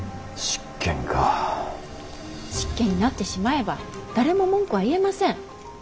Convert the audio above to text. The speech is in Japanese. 執権になってしまえば誰も文句は言えません。